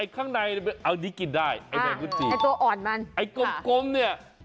ข้างในเอานี้กินได้ไอ้แมงก็จีนไอ้ตัวอ่อนมันไอ้กลมเนี่ย